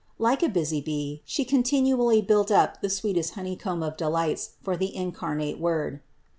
Like a busy bee She continually built up the sweetest honeycomb of delights for the in carnate Word.